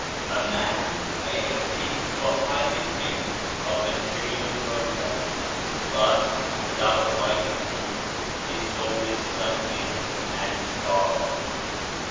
A man may have attained to a high degree of material progress, but without the Light of Truth his soul is stunted and starved.